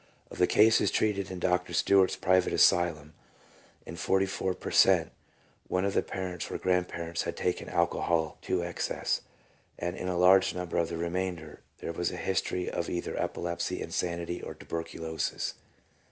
Of the cases treated in Dr. Stewart's private asylum, in 44 per cent, one of the parents or grandparents had taken alcohol to excess, and in a large number of the remainder there was a history of either epilepsy, insanity, or tuber culosis.